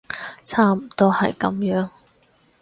差唔多係噉樣